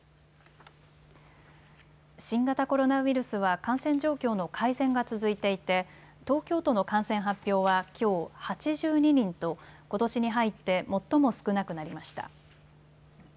新型コロナウイルスは感染状況の改善が続いていて東京都の感染発表はきょう８２人とことしに入って最も少なくなりました。